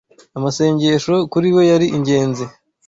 Amasengesho kuri we yari ingenzi